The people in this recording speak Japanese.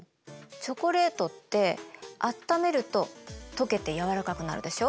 チョコレートってあっためるととけて軟らかくなるでしょ。